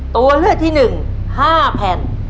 ตัวเลือดที่หนึ่ง๕แผ่น